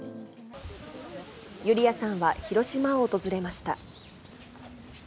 ユリヤさんは広島を訪れました。